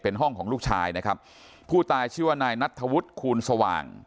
เป็นห้องของลูกชายนะครับผู้ตายชื่อว่านายนัทธวุฒิคูณสว่าง